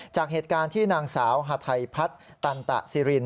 จากเหตุการณ์ที่นางสาวฮาไทยพัฒน์ตันตะซิริน